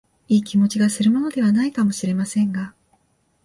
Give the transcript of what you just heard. いい気持ちがするものでは無いかも知れませんが、